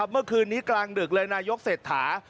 เมื่อคืนนี้กลางดึกเลยนายกเศรษฐา